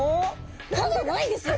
歯がないですよね！